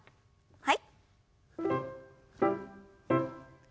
はい。